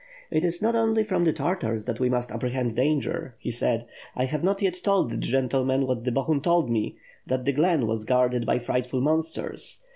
"It is not only from the Tartars that we must apprehend danger," he said, "I have not yet told the gentlemen what Bohun told me that the glen was guarded by frightful monsters.